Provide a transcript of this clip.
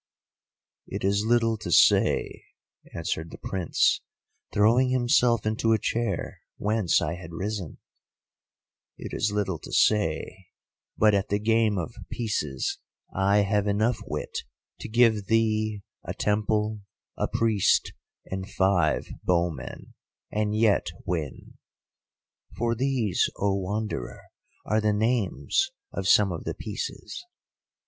"'It is little to say,' answered the Prince, throwing himself into a chair whence I had risen, 'it is little to say, but at the game of pieces I have enough wit to give thee a temple, a priest and five bowmen, and yet win,'—for these, O Wanderer, are the names of some of the pieces.